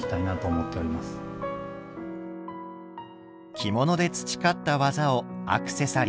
着物で培った技をアクセサリーに。